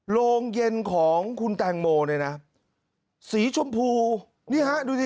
โรงเย็นของคุณแตงโมเนี่ยนะสีชมพูนี่ฮะดูสิ